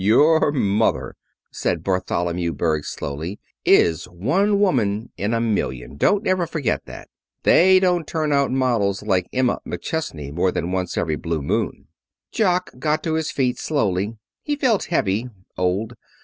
"Your mother," said Bartholomew Berg slowly, "is one woman in a million. Don't ever forget that. They don't turn out models like Emma McChesney more than once every blue moon." Jock got to his feet slowly. He felt heavy, old.